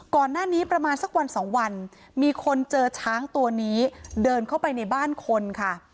ก่อนหน้านี้ประมาณสักวันสองวันมีคนเจอช้างตัวนี้เดินเข้าไปในบ้านคนค่ะ